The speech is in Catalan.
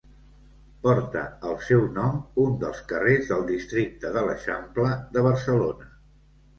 Porta el seu nom un dels carrers del districte de l'Eixample de Barcelona.